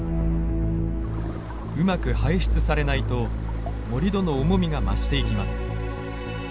うまく排出されないと盛土の重みが増していきます。